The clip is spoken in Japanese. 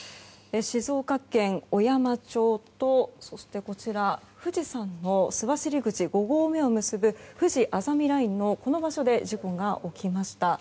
静岡県小山町とそして、富士山の須走口を結ぶふじあざみラインのこの場所で事故が起きました。